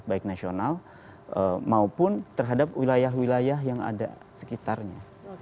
baik nasional maupun terhadap wilayah wilayah yang ada sekitarnya